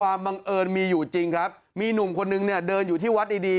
บังเอิญมีอยู่จริงครับมีหนุ่มคนนึงเนี่ยเดินอยู่ที่วัดดีดี